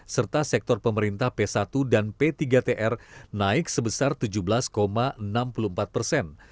serta sektor pemerintah p satu dan p tiga tr naik sebesar tujuh belas enam puluh empat persen